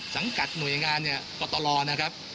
สังกัดหน่วยงานปะโตรานะฮะ